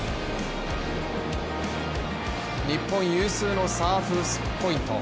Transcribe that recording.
日本有数のサーフポイント